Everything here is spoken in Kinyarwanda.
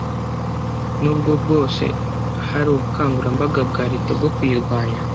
nubwo bwose hari ubukangurambaga bwa leta bwo kuyirwanya